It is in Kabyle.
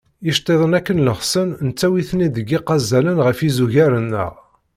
Icettiḍen, akken llexsen, nettawi-ten-id deg yiqaẓalen ɣef yizugar-nneɣ.